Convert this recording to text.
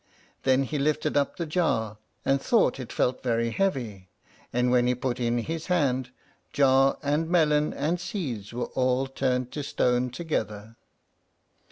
Then he lifted up the jar, and thought it felt very heavy; and when he put in his hand, jar, and melon, and seeds were all turned to stone together.